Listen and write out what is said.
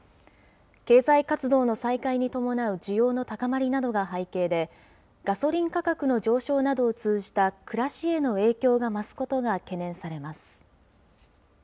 経済活動の再開に伴う需要の高まりなどが背景で、ガソリン価格の上昇などを通じた暮らしへの影響が増すことが懸念されます。